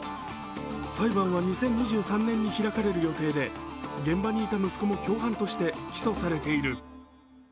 裁判は２０２３年に開かれる予定で現場にいた息子も共犯として起訴されている。